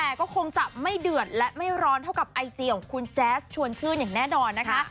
แต่ก็คงจะไม่เดือดและไม่ร้อนเท่ากับไอจีของคุณแจ๊สชวนชื่นอย่างแน่นอนนะคะ